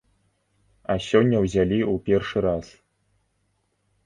А сёння ўзялі ў першы раз.